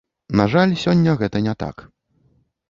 На жаль, сёння гэта не так.